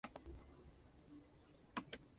Más tarde se transladó a Sofía.